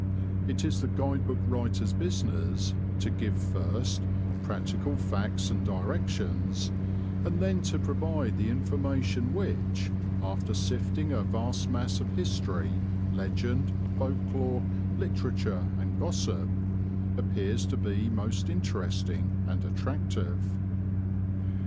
It is the guide book writer's business to give first practical facts and directions, and then to provide the information which, after sifting a vast mass of history, legend, folk lore, literature, and gossip, appears to be most interesting and attractive.